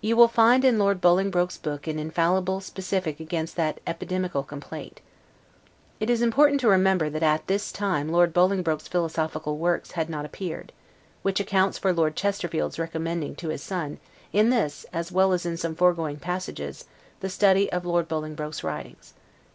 You will find in Lord Bolingbroke's book an infallible specific against that epidemical complaint. [It is important to remember that at this time Lord Bolingbroke's philosophical works had not appeared; which accounts for Lord Chesterfield's recommending to his son, in this, as well as in some foregoing passages, the study of Lord Bolingbroke's writings.